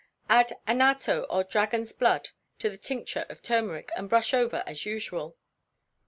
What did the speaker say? Add anatto or dragon's blood to the tincture of turmeric, and brush over as usual.